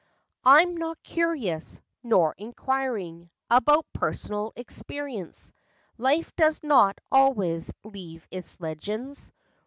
"I'm not curious, nor inquiring About personal experience. Life does not always leave its legends FACTS AND FANCIES.